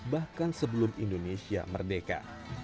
bahkan sebelum indonesia merdeka